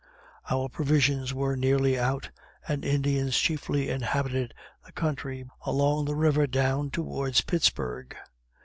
Our provisions were nearly out, and Indians chiefly inhabited the country along the river down towards Pittsburg.